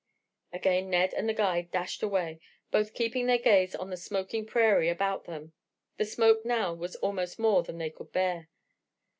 Again Ned and the guide dashed away, both keeping their gaze on the smoking prairie about them. The smoke now was almost more than they could bear.